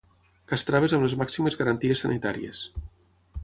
Castraves amb les màximes garanties sanitàries.